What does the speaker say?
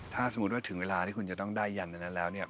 ถ้าสมมุติว่าถึงเวลาที่คุณจะต้องได้ยันอันนั้นแล้วเนี่ย